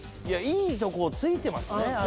いやいいとこを突いてますね